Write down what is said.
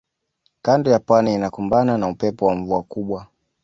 kando ya pwani inakumbana na upepo wa mvua kubwa